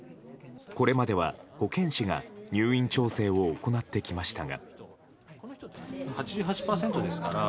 これまでは保健師が入院調整を行ってきましたが。